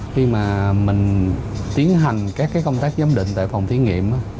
khi mà mình tiến hành các công tác giám định tại phòng thí nghiệm